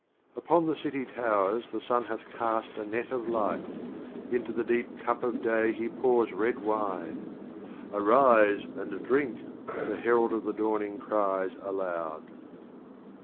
4 8 Upon the City Towers the Sun hath The Literal cast a Net of Light; Into the deep Cup of Day he pours Red Wine. "Arise and drink !" The Herald of the Dawning cries aloud.